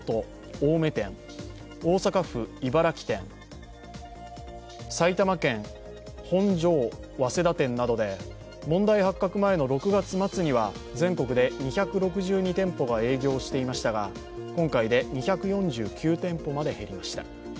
青梅店、大阪府茨木店、埼玉県本庄早稲田店などで、問題発覚前の６月末には全国で２６２店舗が営業していましたが、今回で２４９店舗まで減りました。